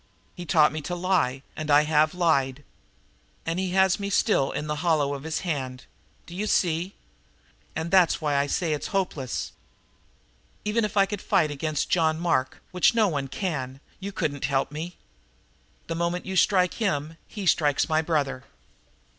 He taught me to lie, and I have lied. And he has me still in the hollow of his hand, do you see? And that's why I say that it's hopeless. Even if you could fight against John Mark, which no one can, you couldn't help me. The moment you strike him he strikes my brother."